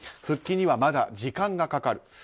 復帰には、まだ時間がかかる。